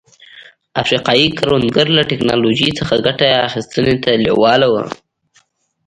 افریقايي کروندګر له ټکنالوژۍ څخه ګټې اخیستنې ته لېواله وو.